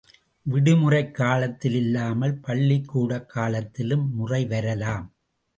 விடுமுறைக் காலத்தில் இல்லாமல் பள்ளிக்கூட காலத்திலும் முறை வரலாம்.